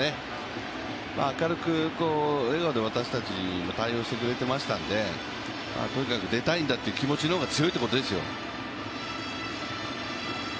明るく笑顔で私たちに対応してくれてましたんでとにかく出たいんだという気持ちの方が強いんだってことですよ。